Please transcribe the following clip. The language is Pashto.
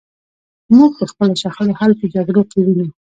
موږ د خپلو شخړو حل په جګړو کې وینو.